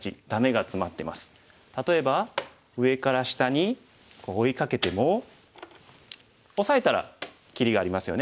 例えば上から下に追いかけてもオサえたら切りがありますよね。